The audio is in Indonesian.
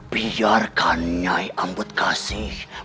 biarkan nyai ambedkasi